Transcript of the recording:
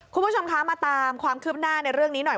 คุณผู้ชมคะมาตามความคืบหน้าในเรื่องนี้หน่อย